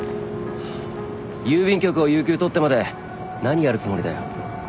郵便局を有休取ってまで何やるつもりだよ？